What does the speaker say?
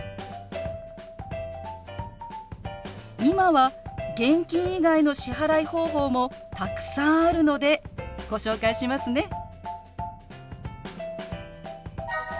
今は現金以外の支払い方法もたくさんあるのでご紹介しますね。